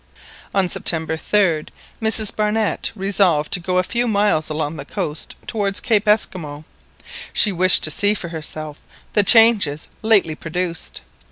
On September 3rd Mrs Barnett resolved to go a few miles along the coast towards Cape Esquimaux. She wished to see for herself the changes lately produced.